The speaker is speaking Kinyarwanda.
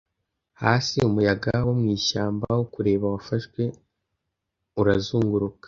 Hasi umuyaga wo mwishyamba wo kureba wafashwe urazunguruka,